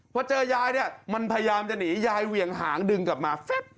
พอเจอยายเนี่ยมันพยายามจะหนียายเหวี่ยงหางดึงกลับมา